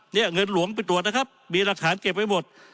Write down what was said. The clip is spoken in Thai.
เนี่ยเงินหลวงไปตรวจนะครับมีหลักฐานเก็บไว้หมด